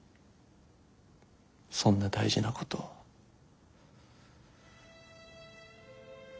そんな大事なこと母さん